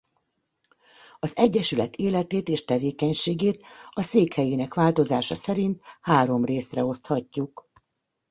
Az Egyesület életét és tevékenységét a székhelyének változása szerint három részre oszthatjuk.